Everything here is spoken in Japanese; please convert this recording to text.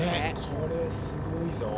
これすごいぞ。